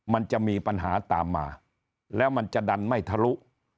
มันจะมีปัญหาตามมาแล้วมันจะดันไม่ทะลุ